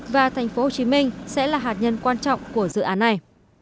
và thành phố hồ chí minh sẽ là hạt nhân quan trọng của dự án này